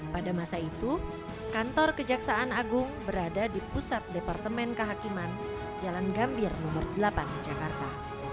pada masa itu kantor kejaksaan agung berada di pusat departemen kehakiman jalan gambir nomor delapan jakarta